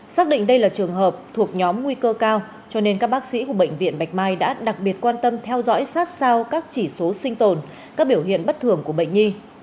xác định đây là trường hợp thuộc nhóm nguy cơ cao cho nên các bác sĩ của bệnh viện bạch mai đã đặc biệt quan tâm theo dõi sát sao các chỉ số sinh tồn các biểu hiện bất thường của bệnh nhi